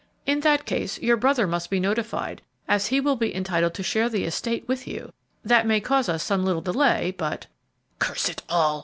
"In that case, your brother must be notified, as he will be entitled to share the estate with you; that may cause us some little delay, but " "Curse it all!"